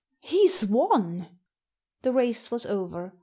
He's won!" The race was over.